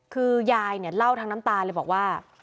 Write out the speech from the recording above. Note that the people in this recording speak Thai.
คือยายเนี่ยเล่าทั้งน้ำตาเลยบอกว่า